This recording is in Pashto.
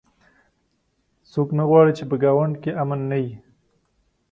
څوک نه غواړي چې په ګاونډ کې امن نه وي